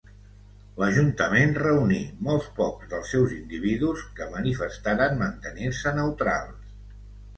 L'ajuntament reuní molt pocs dels seus individus que manifestaren mantenir-se neutrals.